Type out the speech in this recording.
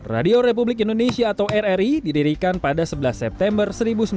radio republik indonesia atau rri didirikan pada sebelas september seribu sembilan ratus empat puluh